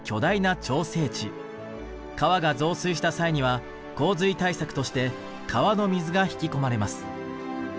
川が増水した際には洪水対策として川の水が引き込まれます。